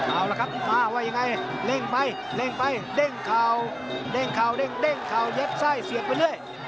เอาละครับว่าอย่างไรเร่งไปเร่งไปเด้งข่าวเด้งข่าวเด้งข่าวเย็ดไส้เสียไปเรื่อย